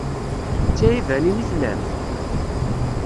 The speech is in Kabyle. D tiɛibanin i tellamt?